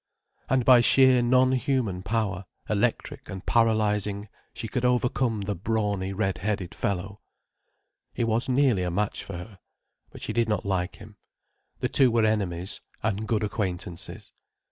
And by sheer non human power, electric and paralysing, she could overcome the brawny red headed fellow. He was nearly a match for her. But she did not like him. The two were enemies—and good acquaintances.